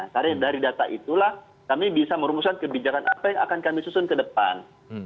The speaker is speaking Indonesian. karena dari data itulah kami bisa merumuskan kebijakan apa yang akan kami susun ke depan